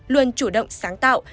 luôn chủ động sáng tạo